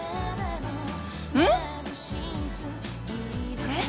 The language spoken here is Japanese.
あれ？